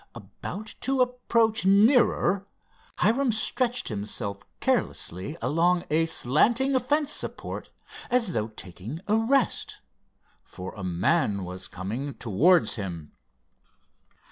About to approach nearer, Hiram stretched himself carelessly along a slanting fence support as though taking a rest, for a man was coming towards him.